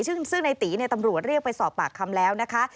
ซึ่งในตีตำรวจเรียกไปสอบปากคำแล้วนะคะ